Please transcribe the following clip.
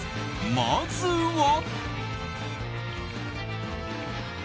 まずは。